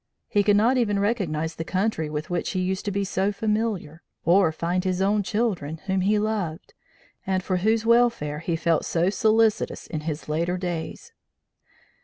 He could not even recognize the country with which he used to be so familiar, or find his own children, whom he loved, and for whose welfare he felt so solicitous in his later days.